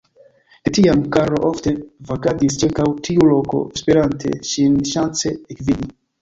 De tiam Karlo ofte vagadis ĉirkaŭ tiu loko, esperante ŝin ŝance ekvidi.